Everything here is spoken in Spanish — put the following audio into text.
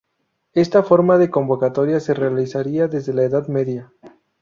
Esta forma de convocatoria se realizaría desde la Edad Media.